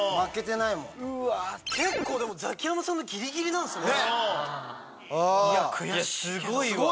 結構ザキヤマさんのギリギリなんすよね。